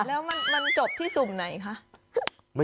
แล้วมันจบที่สุ่มไหนคะ